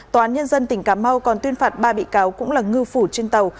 tòa án nhân dân tỉnh cà mau còn tuyên phạt ba bị cáo cũng là ngư phủ trên tàu